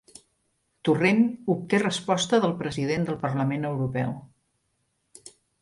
Torrent obté resposta del president del Parlament Europeu